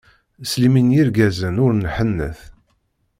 S limin n yirgazen ur nḥennet!